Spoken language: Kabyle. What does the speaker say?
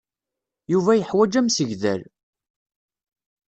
Yuba yeḥwaǧ amsegdal.